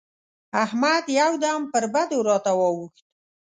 احمد يو دم پر بدو راته واووښت.